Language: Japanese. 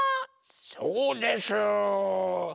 そうです！